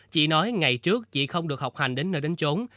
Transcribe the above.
chị nói ngày trước chị không được học hành đến nơi đến trốn